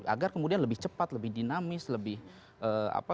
agar kemudian lebih cepat lebih dinamis lebih bisa mengembangkan